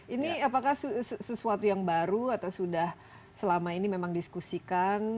ini apakah sesuatu yang baru atau sudah selama ini memang diskusikan